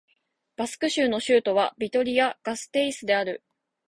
バスク州の州都はビトリア＝ガステイスである